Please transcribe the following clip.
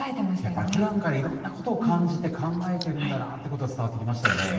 ふだんからいろんなことを感じて、考えているんだなっていうことが伝わってきましたね。